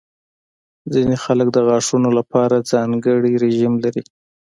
ځینې خلک د غاښونو لپاره ځانګړې رژیم لري.